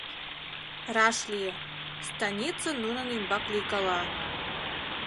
Раш лие: станице нунын ӱмбак лӱйкала.